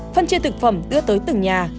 phân chia thực phẩm đưa tới từng nhà